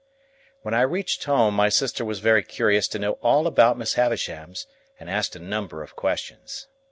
When I reached home, my sister was very curious to know all about Miss Havisham's, and asked a number of questions.